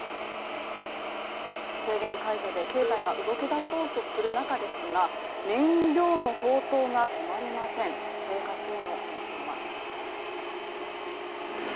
制限解除で経済が動き出そうとする中ですが、燃料の高騰が止まりません、生活への影響は。